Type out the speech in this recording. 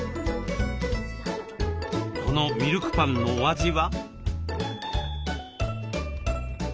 このミルクパンのお味は？